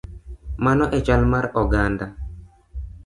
Mano e chal mar oganda.